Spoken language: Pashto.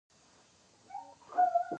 آیا کاناډا د ماشومانو اداره نلري؟